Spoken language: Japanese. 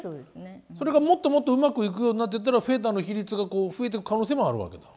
それがもっともっとうまくいくようになってったらフェーダーの比率が増えていく可能性もあるわけだ？